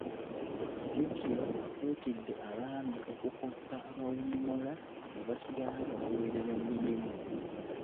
Katikkiro akuutidde abaami okukoppa abawummula ne basigala nga baweereza Nnyinimu.